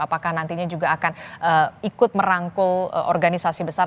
apakah nantinya juga akan ikut merangkul organisasi besar